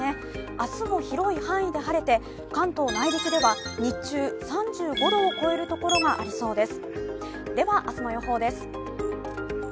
明日も広い範囲で晴れて関東内陸では日中、３５度を超えるところがありそうです。